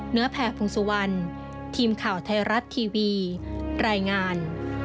เนื้อแผ่ภูมิสุวรรณทีมข่าวไทยรัฐทีวีรายงาน